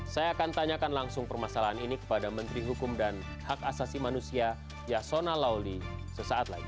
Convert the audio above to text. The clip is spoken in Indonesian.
saya akan tanyakan langsung permasalahan ini kepada menteri hukum dan hak asasi manusia yasona lauli sesaat lagi